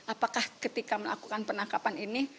apakah ketika melakukan penangkapan ini